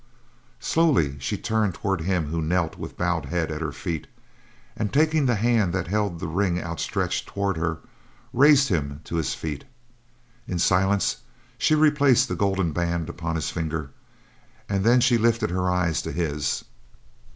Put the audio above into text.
Slowly she turned toward him who knelt with bowed head at her feet, and, taking the hand that held the ring outstretched toward her, raised him to his feet. In silence she replaced the golden band upon his finger, and then she lifted her eyes to his.